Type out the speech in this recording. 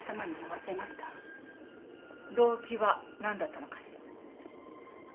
動機はなんだったのかしら？